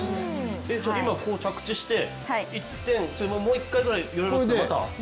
今、こう着地して１点、もう１回ぐらいよろよろって？